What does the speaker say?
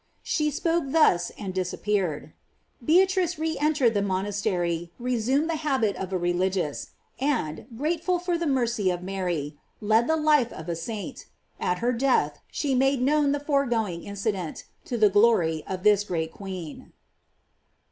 She spoke thus and disappeared Beatrice re entered the. mon astery, resumed the habit of a religious, and, grateful tor the mercj of Mary, led the life of a gaint. At her death she made known the fore going incident, to the glory of this great queen.